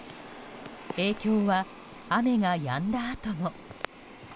影響は雨がやんだあとも。